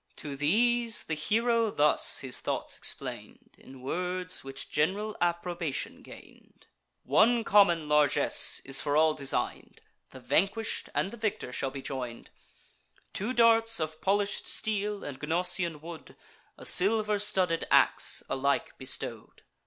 To these the hero thus his thoughts explain'd, In words which gen'ral approbation gain'd: "One common largess is for all design'd, The vanquish'd and the victor shall be join'd, Two darts of polish'd steel and Gnosian wood, A silver studded ax alike bestow'd.